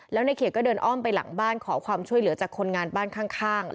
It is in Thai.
แล้วในเขตก็เดินอ้อมไปหลังบ้านขอความช่วยเหลือจากคนงานบ้านข้าง